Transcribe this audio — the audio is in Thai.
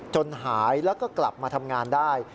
หายแล้วก็กลับมาทำงานได้